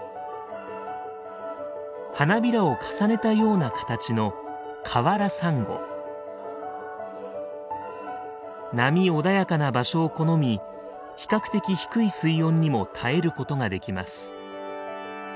花びらを重ねたような形の波穏やかな場所を好み比較的低い水温にも耐えることができます。